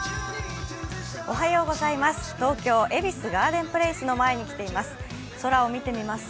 東京・恵比寿ガーデンプレイスの前に来ています。